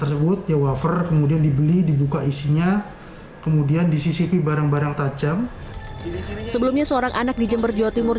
sebelumnya seorang anak di jember jawa timur